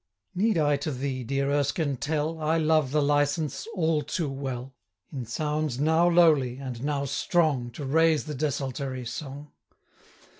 Need I to thee, dear Erskine, tell I love the license all too well, In sounds now lowly, and now strong, 25 To raise the desultory song?